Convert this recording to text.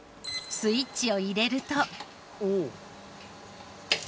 スイッチを入れると。